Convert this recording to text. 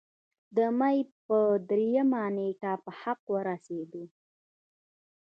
د مۍ پۀ دريمه نېټه پۀ حق اورسېدو